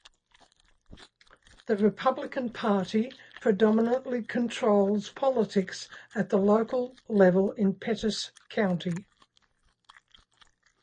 The Republican Party predominantly controls politics at the local level in Pettis County.